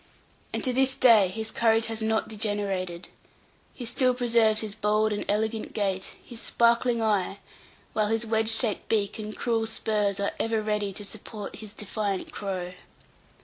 And to this day his courage has not degenerated. He still preserves his bold and elegant gait, his sparkling eye, while his wedge shaped beak and cruel spurs are ever ready to support his defiant crow.